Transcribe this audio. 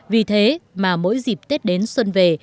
vì thế mà mỗi dịp tết đến xuân về